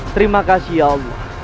terima kasih allah